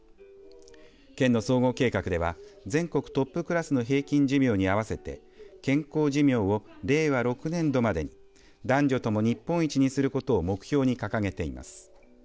県の総合計画では全国トップクラスの平均寿命に合わせて健康寿命を令和６年度までに男女とも日本一にすることを目標に掲げています。